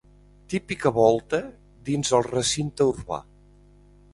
Típica volta dins el recinte urbà.